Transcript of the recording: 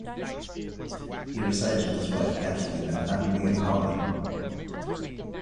He resides with his wife Kathleen and family in Howlan.